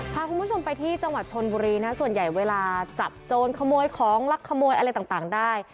พาคุณผู้ชมไปที่จังหวัดชนบุรีนะส่วนใหญ่เวลาจับโจรขโมยของลักขโมยอะไรต่างได้